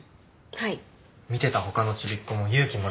はい。